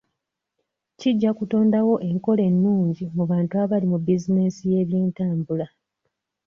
Kijja kutondawo enkola ennungi mu bantu abali mu bizinesi y'ebyentambula.